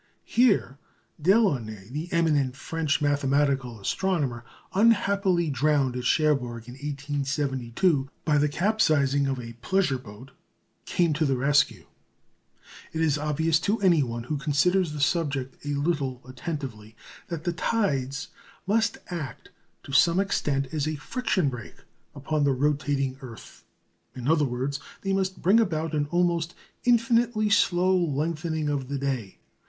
Here Delaunay, the eminent French mathematical astronomer, unhappily drowned at Cherbourg in 1872 by the capsizing of a pleasure boat, came to the rescue. It is obvious to anyone who considers the subject a little attentively, that the tides must act to some extent as a friction brake upon the rotating earth. In other words, they must bring about an almost infinitely slow lengthening of the day.